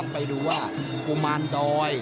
ไปดูว่ากุมารดอย